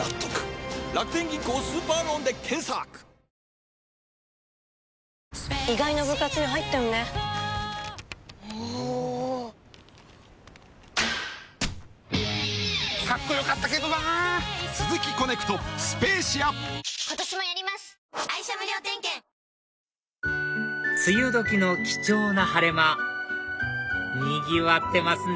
キッコーマン梅雨時の貴重な晴れ間にぎわってますね